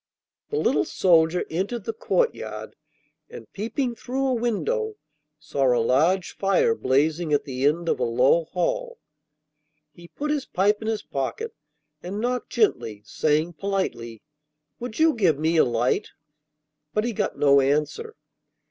The little soldier entered the courtyard, and, peeping through a window, saw a large fire blazing at the end of a low hall. He put his pipe in his pocket and knocked gently, saying politely: 'Would you give me a light?' But he got no answer.